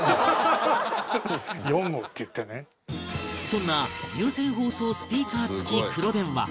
そんな有線放送スピーカー付き黒電話